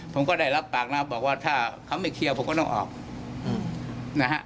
ผมก็ได้รับปากนะว่าถ้าเขาไม่คิดผมก็ต้องออกนะฮะ